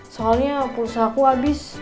soalnya pulsa aku abis